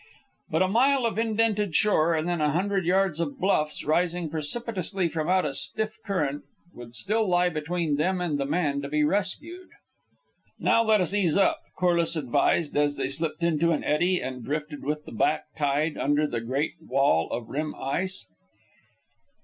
But a mile of indented shore, and then a hundred yards of bluffs rising precipitously from out a stiff current would still lie between them and the man to be rescued. "Now let us ease up," Corliss advised, as they slipped into an eddy and drifted with the back tide under the great wall of rim ice.